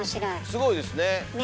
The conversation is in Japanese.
すごいですね。ね。